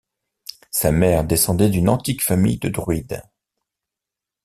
Sa mère descendait d'une antique famille de druides.